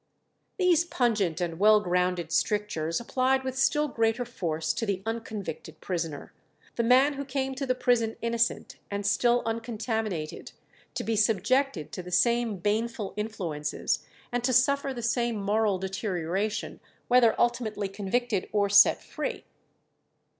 These pungent and well grounded strictures applied with still greater force to the unconvicted prisoner, the man who came to the prison innocent, and still uncontaminated, to be subjected to the same baneful influences, and to suffer the same moral deterioration, whether ultimately convicted or set free.